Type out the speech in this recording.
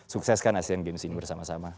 sukseskan asean games ini bersama sama